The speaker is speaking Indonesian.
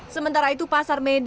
sementara itu pasar medan